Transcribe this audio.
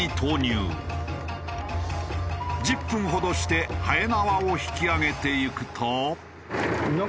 １０分ほどして延縄を引き揚げていくと。